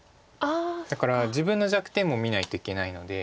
だから自分の弱点も見ないといけないので。